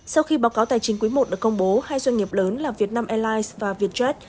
sau khi báo cáo tài chính quý một được công bố hai doanh nghiệp lớn là vietnam airlines và vietjet